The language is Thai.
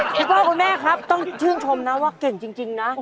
พ่อแม่ครับต้องชื่นชมนะว่าเก่งจริงนะ